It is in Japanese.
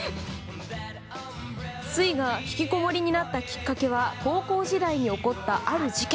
すいがひきこもりになったきっかけは高校時代に起こった、ある事件。